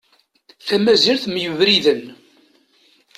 Tamazirt mm yebriden.